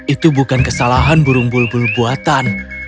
itu bukan kesalahan burung bulbul buatan